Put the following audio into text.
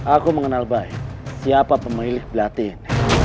aku mengenal baik siapa pemilih belatin